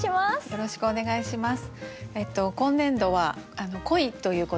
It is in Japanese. よろしくお願いします。